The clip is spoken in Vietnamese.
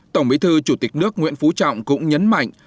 tổng bí thư chủ tịch nước nguyễn phú trọng cũng nhấn mạnh